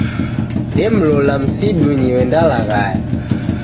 Demlola msidunyi w'endalaghaya